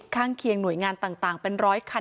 ข้างเคียงหน่วยงานต่างเป็นร้อยคัน